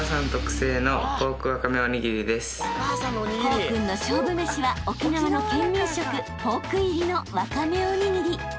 ［功君の勝負めしは沖縄の県民食ポーク入りのわかめおにぎり］